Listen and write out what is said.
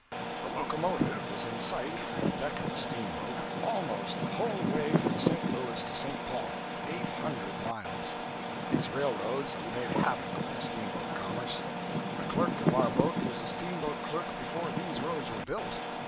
The locomotive is in sight from the deck of the steamboat almost the whole way from St. Louis to St. Paul eight hundred miles. These railroads have made havoc with the steamboat commerce. The clerk of our boat was a steamboat clerk before these roads were built.